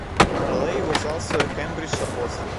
Raleigh was also a Cambridge Apostle.